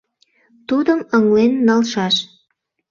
Тудым ыҥлен налшаш...